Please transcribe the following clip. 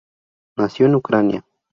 Nació en Ucrania.